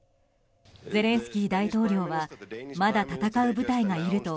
ゼレンスキー大統領はまだ戦う部隊がいると